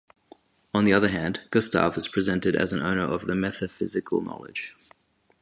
On the other hand, Gustaw is presented as an owner of the methaphysical knowledge.